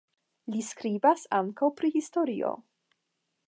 Li skribis ankaŭ pri historio.